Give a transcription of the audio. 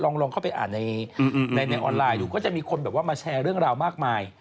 ลองเข้าไปอ่านในออนไลน์ดูก็จะมีคนแบบว่ามาแชร์เรื่องราวมากมาย